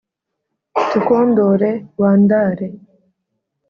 tukwondore wandare